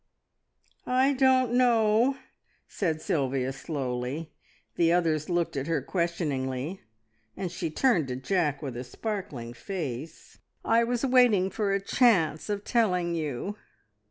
"I don't know!" said Sylvia slowly. The others looked at her questioningly, and she turned to Jack with a sparkling face. "I was waiting for a chance of telling you.